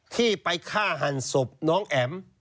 ที่ไปฆ่าหันศพน้องแอ๋ม